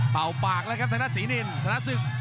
เป่าปากแล้วครับธนาศินินธนาศึก